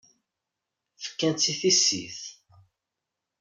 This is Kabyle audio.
Fkant-tt i tissit.